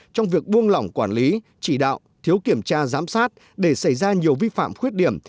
trong việc buông lỏng quản lý chỉ đạo thiếu kiểm tra giám sát để xảy ra nhiều vi phạm khuyết điểm